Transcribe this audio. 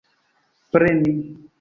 preni